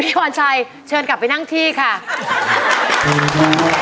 พ่อนชัยเชิญกลับไปนั่งที่ชุด